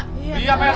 iya pak rt